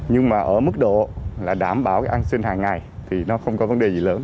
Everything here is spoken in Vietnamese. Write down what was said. nhưng mà ở mức độ là đảm bảo cái an sinh hàng ngày thì nó không có vấn đề gì lớn